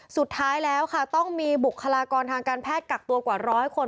สุดท้ายแล้วค่ะต้องมีบุคลากรทางการแพทย์กักตัวกว่าร้อยคน